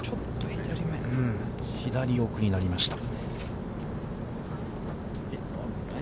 左奥になりました。